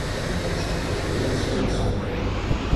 І мовчки подивилися на себе.